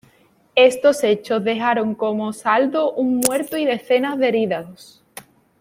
Estos hechos dejaron como saldo un muerto y decenas de heridos.